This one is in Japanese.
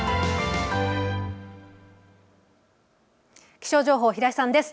気象情報、平井さんです。